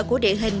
của địa hình